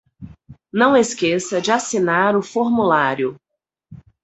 Não esqueça de assinar o formulário.